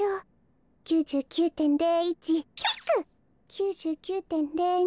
９９．０２。